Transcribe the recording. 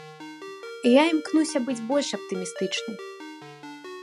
Я імкнуся быць больш аптымістычнай.